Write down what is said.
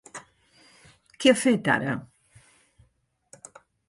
Què ha fet, ara?